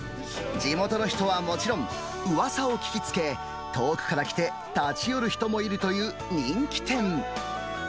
地元の人はもちろん、うわさを聞き付け、遠くから来て立ち寄る人もいるという人気店。